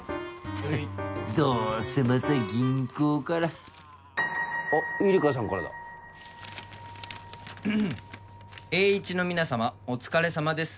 はいどうせまた銀行からあっゆりかさんからだ「エーイチの皆様お疲れさまです